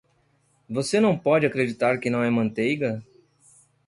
Você não pode acreditar que não é manteiga?